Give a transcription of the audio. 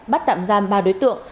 bắt tạm giam ba đối tượng